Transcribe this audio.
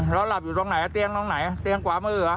เราหลับอยู่ตรงไหนเตียงตรงไหนเตียงขวามือเหรอ